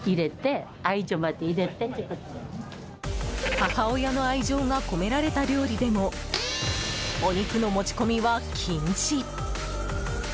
母親の愛情が込められた料理でも、お肉の持ち込みは禁止。